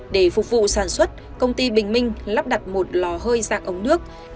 để phục vụ sản xuất công ty bình minh lắp đặt một lò hơi dạng ống nước